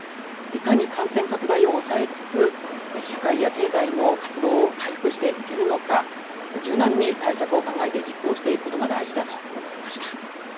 いかに感染拡大を抑えつつ社会や経済の活動を回復していけるのか、柔軟に対策を考えて実行していくことが大事だと思いました。